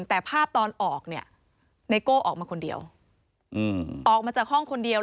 แต่ภาพตอนออกเนี่ยไนโก้ออกมาคนเดียวออกมาจากห้องคนเดียว